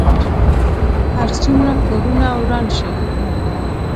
هر څومره کورونه وران شي.